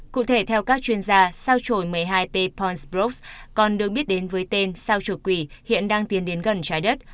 cụ thể theo các chuyên gia sao trổi một mươi hai p ponsprop còn được biết đến với tên sao trổi quỷ hiện đang tiến đến gần trái đất